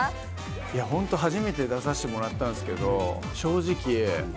いやホント初めて出させてもらったんですけど正直。